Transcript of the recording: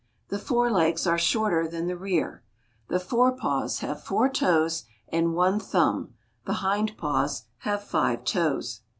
The fore legs are shorter than the rear. The fore paws have four toes and one thumb, the hind paws have five toes.